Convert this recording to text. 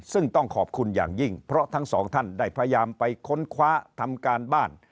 ซึ่งต้องขอบคุณอย่างยิ่งเพราะทั้งสองท่านได้พยายามไปค้นคว้าทำการบ้าน